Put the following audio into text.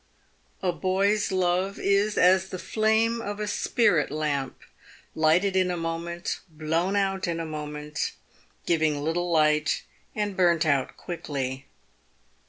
A boy's love is as the flame of a spirit lamp — lighted in a moment, blown out in a moment ; giving little light, and burnt out quickly.